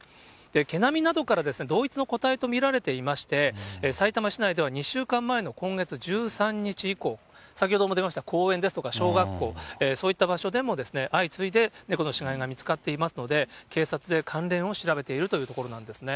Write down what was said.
毛並みなどから、同一の個体と見られていまして、さいたま市内では２週間前の今月１３日以降、先ほども出ました公園ですとか、小学校、そういった場所でも相次いで猫の死骸が見つかっていますので、警察で関連を調べているというところなんですね。